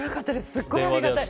すごいありがたい。